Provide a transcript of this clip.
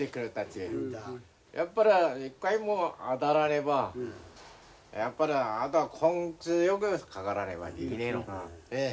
やっぱり一回も当たらねばやっぱりあとは根気よくかからねばできねえの。